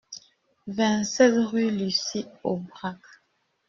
vingt-sept rue Lucie-Aubrac